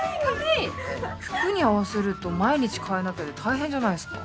服に合わせると毎日かえなきゃで大変じゃないですか？